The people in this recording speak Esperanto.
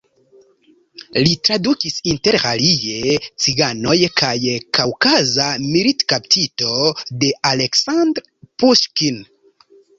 Li tradukis interalie: "Ciganoj" kaj "Kaŭkaza militkaptito" de Aleksandr Puŝkin.